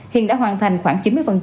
hiện đã hoàn thành khoảng chín mươi